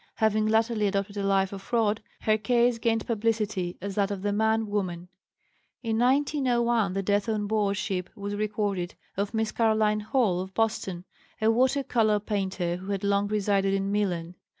Having latterly adopted a life of fraud, her case gained publicity as that of the "man woman." In 1901 the death on board ship was recorded of Miss Caroline Hall, of Boston, a water color painter who had long resided in Milan.